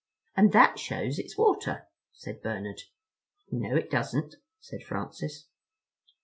"And that shows it's water," said Bernard. "No, it doesn't," said Francis.